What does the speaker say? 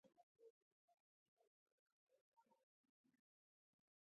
دا د زړه د تقلصاتو په تنظیم کې ونډه لري.